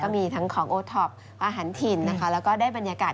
มีทั้งของโอท็อปอาหารถิ่นนะคะแล้วก็ได้บรรยากาศ